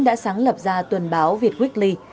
đã sáng lập ra tuần báo việt weekly